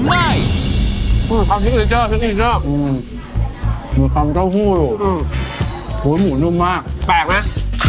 อ้าวชิคกี้พายเจอร์ชิคกี้พายเจอร์มือตำเจ้าหู้อยู่หัวหมูนุ่มมากแปลกมั้ย